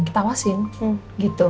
kita awasin gitu